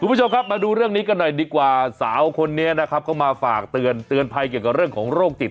คุณผู้ชมครับมาดูเรื่องนี้กันหน่อยดีกว่าสาวคนนี้นะครับก็มาฝากเตือนเตือนภัยเกี่ยวกับเรื่องของโรคจิต